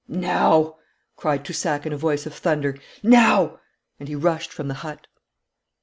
'Now!' cried Toussac in a voice of thunder, 'now!' and he rushed from the hut.